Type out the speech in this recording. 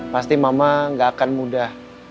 pasti mama gak akan mudah